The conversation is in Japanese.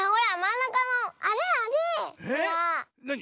なに？